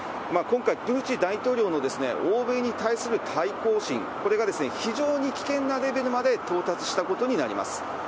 今回、プーチン大統領の欧米に対する対抗心、これが非常に危険なレベルまで到達したことになります。